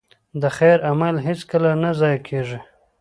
د خیر عمل هېڅکله نه ضایع کېږي.